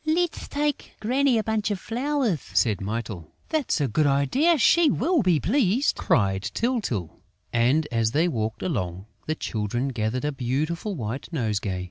"Let's take Granny a bunch of flowers," said Mytyl. "That's a good idea! She will be pleased!" cried Tyltyl. And, as they walked along, the Children gathered a beautiful white nosegay.